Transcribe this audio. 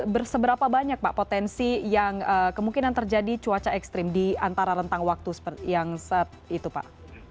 berseberapa banyak pak potensi yang kemungkinan terjadi cuaca ekstrim di antara rentang waktu yang saat itu pak